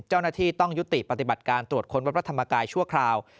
เจ้าหน้าที่ต้องยุติปฏิบัติการตรวจค้นวัดพระธรรมกายชั่วคราว